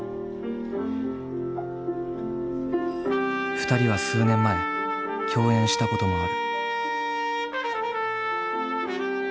２人は数年前共演したこともある。